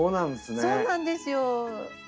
そうなんですよ。